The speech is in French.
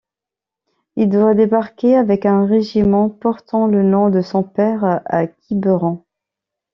Il doit débarquer avec un régiment portant le nom de son père à Quiberon.